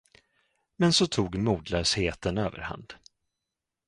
Men så tog modlösheten överhand.